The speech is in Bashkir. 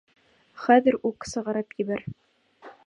Хәҙер үк сығарып ебәр!